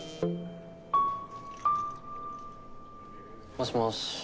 もしもし？